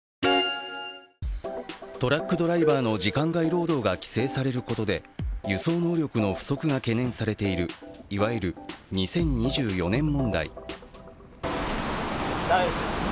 トラックドライバーの時間外労働が規制されることで輸送能力の不足が懸念されているいわゆる２０２４年問題。